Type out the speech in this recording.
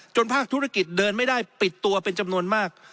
ภาคธุรกิจเดินไม่ได้ปิดตัวเป็นจำนวนมาก